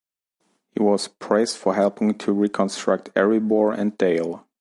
He was praised for helping to reconstruct Erebor and Dale.